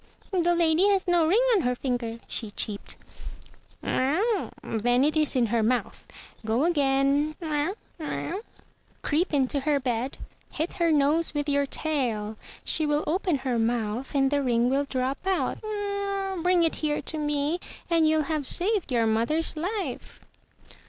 "The lady has no ring on her finger," she cheeped. "Then it is in her mouth. Go again; creep into her bed; hit her nose with your tail. She will open her mouth and the ring will drop out. Bring it here to me, and you'll have saved your mother's life."